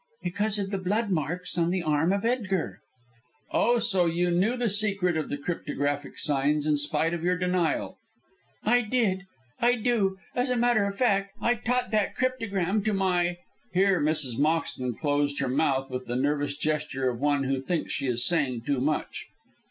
"Because of the blood marks on the arm of Edgar." "Oh, so you knew the secret of the cryptographic signs, in spite of your denial?" "I did! I do! As a matter of fact, I taught that cryptogram to my " here Mrs. Moxton closed her mouth with the nervous gesture of one who thinks she is saying too much.